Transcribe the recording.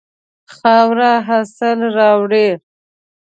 خاوره حاصل راوړي.